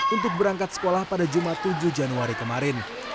untuk berangkat sekolah pada jumat tujuh januari kemarin